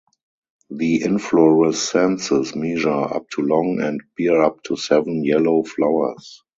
The inflorescences measure up to long and bear up to seven yellow flowers.